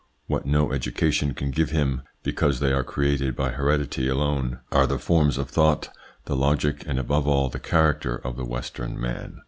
What no education can give him, because they are created by heredity alone, are the forms of thought, the logic, and above all the character of the Western man.